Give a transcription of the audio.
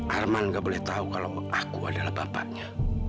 arman gak boleh tahu kalau aku adalah bapaknya